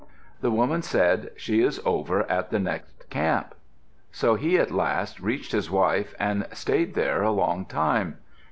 The woman said, "She is over at the next camp." So he at last reached his wife and stayed there a long time.